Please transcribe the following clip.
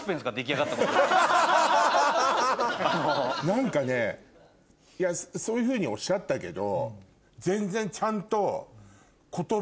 何かねそういうふうにおっしゃったけど全然。